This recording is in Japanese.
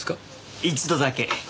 一度だけ。